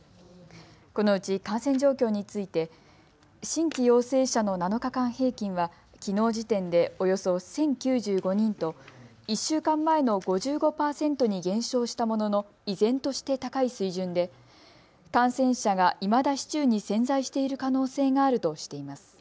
このうち感染状況について新規陽性者の７日間平均はきのう時点でおよそ１０９５人と１週間前の５５％に減少したものの依然として高い水準で感染者がいまだ市中に潜在している可能性があるとしています。